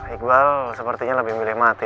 iqbal sepertinya lebih milih mati